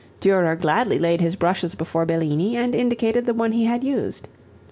Durer gladly laid his brushes before Bellini and indicated the one he had used.